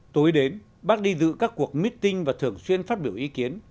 tối đến bác đi dự các cuộc meeting và thường xuyên phát biểu ý kiến